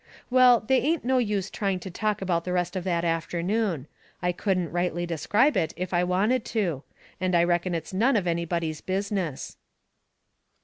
Well, they ain't no use trying to talk about the rest of that afternoon. I couldn't rightly describe it if I wanted to. And I reckon it's none of anybody's business.